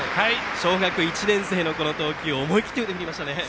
小学１年生の子の投球思い切って腕を振りましたね。